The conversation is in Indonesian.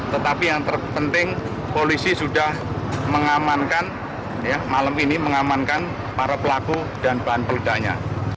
tetapi yang terpenting polisi sudah mengamankan malam ini mengamankan para pelaku dan bahan peledaknya